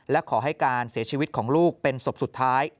และขอให้การเสียชีวิตของลูกเป็นศพสุดท้าย